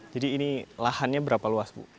jadi ini lahannya berapa luas bu